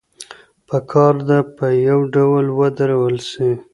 پکار ده په يو ډول ودرول سي.